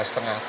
itu sesuai sama